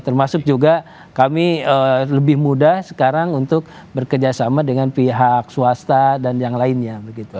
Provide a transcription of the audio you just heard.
termasuk juga kami lebih mudah sekarang untuk bekerjasama dengan pihak swasta dan yang lainnya